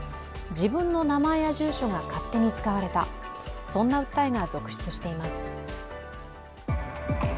自分の名前や住所が勝手に使われた、そんな訴えが続出しています。